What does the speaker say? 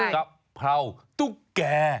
กับเผาตุ๊กแก่